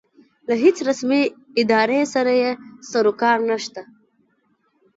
له هېڅ رسمې ادارې سره یې سروکار نشته.